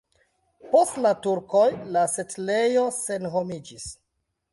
Post la turkoj la setlejo senhomiĝis.